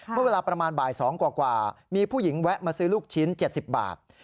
เมื่อเวลาประมาณบ่าย๒กว่ามีผู้หญิงแวะมาซื้อลูกชิ้น๗๐บาท